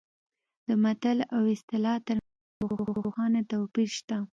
د متل او اصطلاح ترمنځ روښانه توپیر شته